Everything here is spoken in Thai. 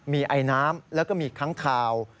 มีไอน้ำแล้วก็มีค้างคาว